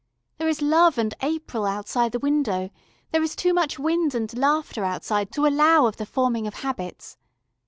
There is Love and April outside the window, there is too much wind and laughter outside to allow of the forming of Habits.